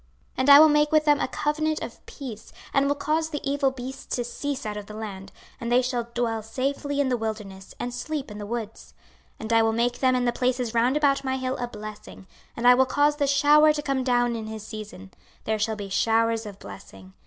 26:034:025 And I will make with them a covenant of peace, and will cause the evil beasts to cease out of the land: and they shall dwell safely in the wilderness, and sleep in the woods. 26:034:026 And I will make them and the places round about my hill a blessing; and I will cause the shower to come down in his season; there shall be showers of blessing.